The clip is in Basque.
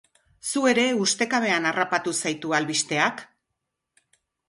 Zu ere ustekabean harrapatu zaitu albisteak?